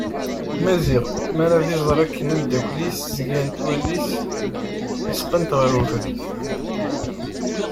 Maziɣ mi ara ad iẓer akken amddakel-is zgant wallen-is lesqent ɣer ubrid.